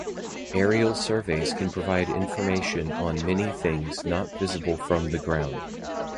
Aerial surveys can provide information on many things not visible from the ground.